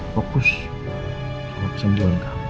fokus sama kesembuhan kamu